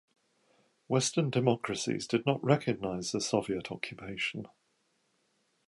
Western democracies did not recognize the Soviet occupation.